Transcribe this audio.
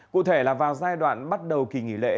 cụ thể là vào giai đoạn bắt đầu kỳ nghỉ lễ